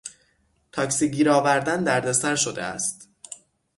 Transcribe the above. تاکسی گیر آوردن دردسر شده است.